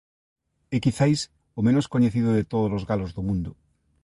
É quizais o menos coñecido de todos os "galos" do mundo.